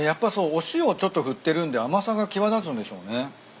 お塩をちょっと振ってるんで甘さが際立つんでしょうね。